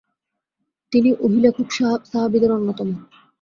তিনি ওহী লেখক সাহাবিদের অন্যতম।